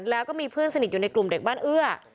แล้วก็มีเพื่อนสนิทอยู่ในกลุ่มเด็กบ้านเอื้อ